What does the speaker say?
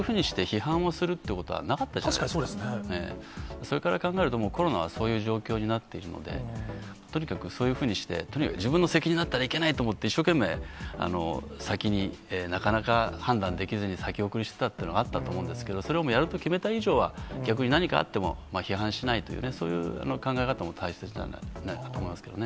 それから考えると、コロナはもう、そういう状況になっているので、とにかくそういうふうにして、とにかく自分の責任になったらいけないと思って、一生懸命、先になかなか判断できずに先送りしてたっていうのがあったと思うんですけど、それをもう、やると決めた以上は、逆に何かあっても、批判しないというね、そういう考え方も大切なんじゃないかと思いますけどね。